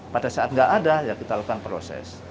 pada saat nggak ada ya kita lakukan proses